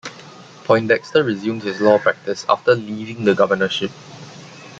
Poindexter resumed his law practice after leaving the governorship.